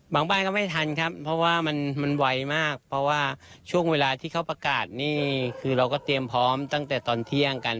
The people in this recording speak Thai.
บ้านก็ไม่ทันครับเพราะว่ามันไวมากเพราะว่าช่วงเวลาที่เขาประกาศนี่คือเราก็เตรียมพร้อมตั้งแต่ตอนเที่ยงกัน